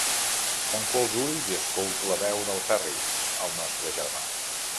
Tanco els ulls i escolto la veu del Ferri, el nostre germà.